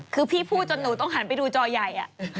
คือพี่พูดจนหนูต้องหันไปดูจอใหญ่